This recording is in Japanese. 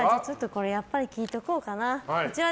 これやっぱり聞いておこうかな。